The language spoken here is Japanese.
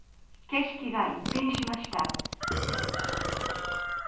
景色が一変しました。